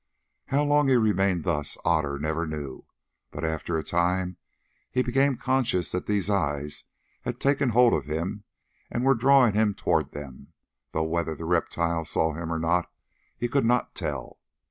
How long he remained thus Otter never knew; but after a time he became conscious that these eyes had taken hold of him and were drawing him towards them, though whether the reptile saw him or not he could not tell.